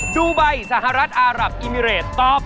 ดูไบสหรัฐอารับอิมิเรตตอบ